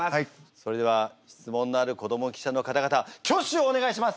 それでは質問のある子ども記者の方々挙手をお願いします！